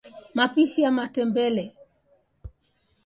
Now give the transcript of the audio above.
mapishi ya matembele